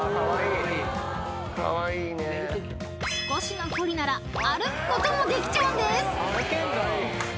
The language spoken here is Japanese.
［少しの距離なら歩くこともできちゃうんです］